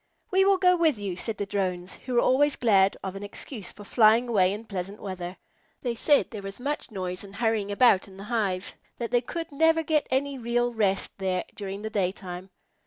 "We will go with you," said the Drones, who were always glad of an excuse for flying away in pleasant weather. They said there was so much noise and hurrying around in the hive that they could never get any real rest there during the daytime.